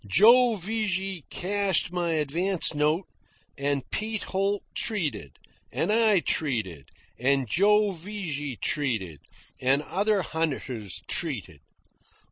Joe Vigy cashed my advance note, and Pete Holt treated, and I treated, and Joe Vigy treated, and other hunters treated.